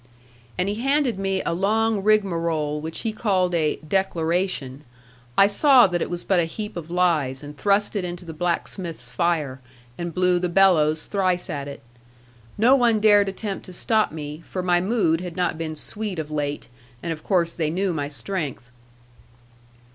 And he handed me a long rigmarole, which he called a 'Declaration': I saw that it was but a heap of lies, and thrust it into the blacksmith's fire, and blew the bellows thrice at it. No one dared attempt to stop me, for my mood had not been sweet of late; and of course they knew my strength.